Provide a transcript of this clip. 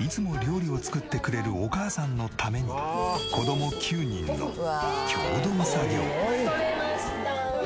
いつも料理を作ってくれるお母さんのために子供９人の共同作業。